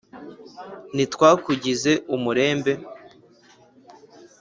ntitwakugize umurembe